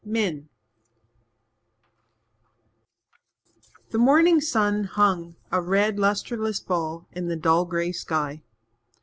Min The morning sun hung, a red, lustreless ball, in the dull grey sky.